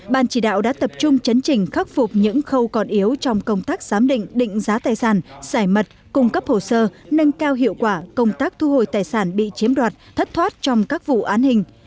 ban chỉ đạo đã tập trung chấn trình khắc phục những khâu còn yếu trong công tác giám định định giá tài sản giải mật cung cấp hồ sơ nâng cao hiệu quả công tác thu hồi tài sản bị chiếm đoạt thất thoát trong các vụ án hình